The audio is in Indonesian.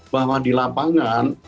bahwa di lapangan